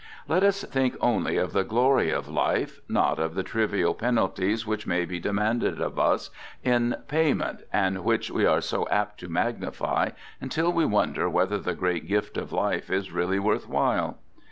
Let us think only of the glory of life; not of the trivial penalties which may be demanded of us in. payment, and which we are so apt to magnify until we wonder whether the great gift of life is really worth while.